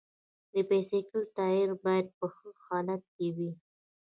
د بایسکل ټایر باید په ښه حالت کې وي.